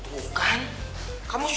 suatu pertanyaan baru ya